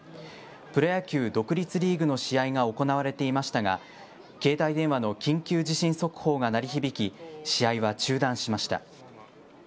プロ野球独立リーグの試合が行われていましたが、携帯電話の緊急地震速報が鳴り響き、試合は中断しました。